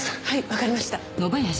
はいわかりました。